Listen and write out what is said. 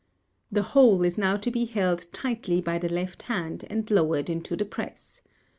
The whole is now to be held tightly by the left hand and lowered into the press.